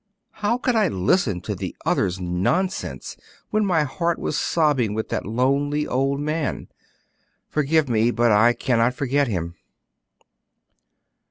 How could I listen to the others' nonsense when my heart was sobbing with that lonely old man? Forgive me, but I cannot forget him."